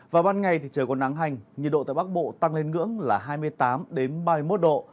và ban ngày thì trời còn nắng hành nhiệt độ tại bắc bộ tăng lên ngưỡng là hai mươi tám ba mươi một độ